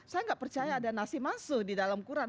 saya tidak percaya ada nasih masuk di dalam quran